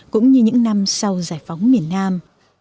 cũng như những năm sau giải phóng miền nam